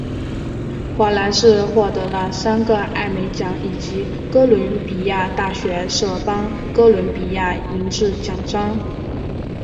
华莱士获得了三个艾美奖以及哥伦比亚大学杜邦哥伦比亚银质奖章。